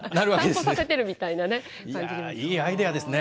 散歩させてるみたいな感じですね。